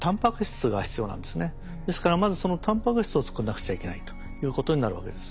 ですからまずそのタンパク質を作らなくちゃいけないということになるわけです。